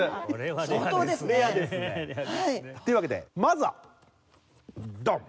相当ですね。というわけでまずはドン！